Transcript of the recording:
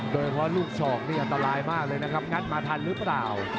โดยเพราะลูกชอกเนี่ยตลายมากเลยงัดมาทันรึเปล่า